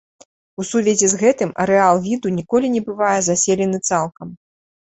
У сувязі з гэтым арэал віду ніколі не бывае заселены цалкам.